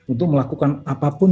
untuk melakukan apapun